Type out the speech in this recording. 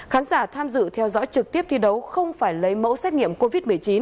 khán giả tham dự theo dõi trực tiếp thi đấu không phải lấy mẫu xét nghiệm covid một mươi chín